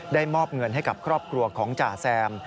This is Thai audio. มอบเงินให้กับครอบครัวของจ่าแซม